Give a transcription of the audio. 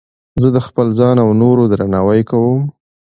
زه د خپل ځان او نورو درناوی کوم.